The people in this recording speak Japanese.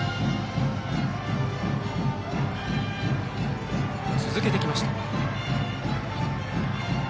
カーブ、続けてきました。